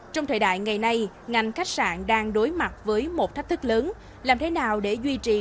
trong thời đại ngày nay ngành khách sạn đang đối mặt với một thách thức lớn làm thế nào để duy trì